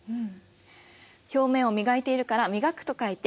表面を磨いているから磨くと書いて磨製石器。